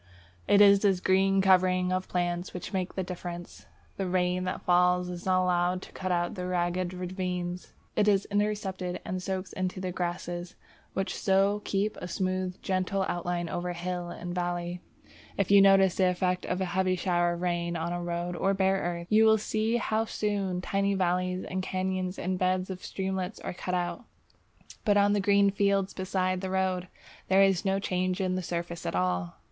It is this green covering of plants which makes the difference. The rain that falls is not allowed to cut out ragged ravines; it is intercepted and soaks into the grasses, which so keep a smooth, gentle outline over hill and valley. If you notice the effect of a heavy shower of rain on a road or bare earth, you will see how soon tiny valleys and cañons and beds of streamlets are cut out. But on the green fields beside the road, there is no change in the surface at all!